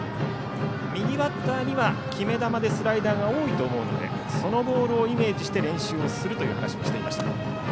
右バッターには決め球でスライダーが多いと思うのでそのボールをイメージして練習するという話もしていました。